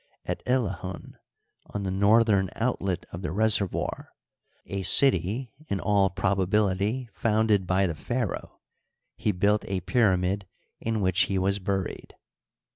At Illahun, on the northern outlet of the reservoir, a city in all probability founded by the pharaoh, he built a pyramid in which he was buried.